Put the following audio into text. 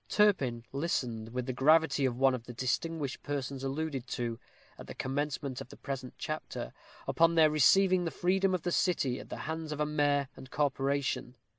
Turpin listened with the gravity of one of the distinguished persons alluded to, at the commencement of the present chapter, upon their receiving the freedom of the city at the hands of a mayor and corporation.